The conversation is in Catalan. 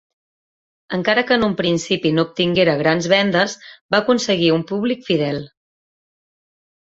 Encara que en un principi no obtinguera grans vendes va aconseguir un públic fidel.